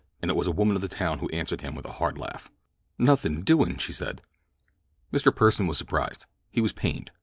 And it was a woman of the town who answered him with a hard laugh. "Nothing doing," she said. Mr. Pursen was surprised. He was pained.